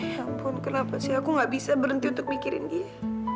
ya ampun kenapa sih aku gak bisa berhenti untuk mikirin dia